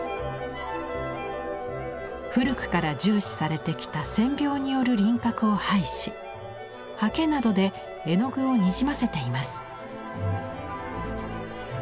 古くから重視されてきた線描による輪郭を排し刷毛などで絵の具をにじませています。